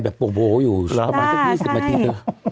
แบบโปรโบโหอยู่สัก๒๐นาที